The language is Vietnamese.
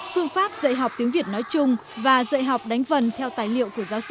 phương pháp dạy học tiếng việt nói chung và dạy học đánh vần theo tài liệu của giáo sư